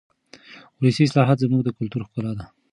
ولسي اصطلاحات زموږ د کلتور ښکلا ده.